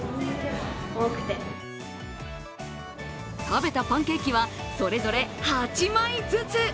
食べたパンケーキはそれぞれ８枚ずつ。